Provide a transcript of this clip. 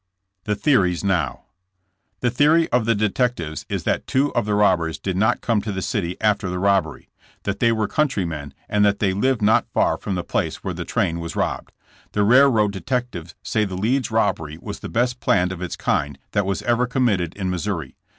THE THEORIES NOW. The theory of the detectives is that two of the robbers did not come to the city after the robbery; that they were countrymen and that they live not far from the place where the train was robbed. The railroad detectives say the Leeds robbery was the best planned of its kind that was ever committed in Missouri.